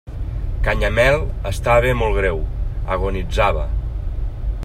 Canyamel estava molt greu: agonitzava.